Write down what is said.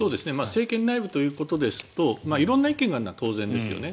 政権内部ということですと色んな意見があるのは当然ですよね。